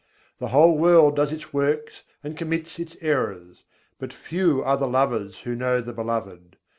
The whole world does its works and commits its errors: but few are the lovers who know the Beloved.